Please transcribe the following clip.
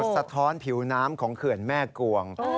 สะท้อนผิวน้ำของเขื่อนแม่กวง